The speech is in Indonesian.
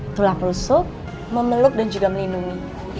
itulah perusuk memeluk dan juga melindungi